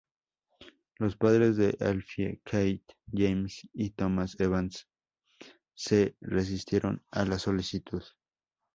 Los padres de Alfie, Kate James y Thomas Evans, se resistieron a la solicitud.